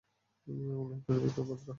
এবং লেফটেন্যান্ট বিক্রম বাতরা।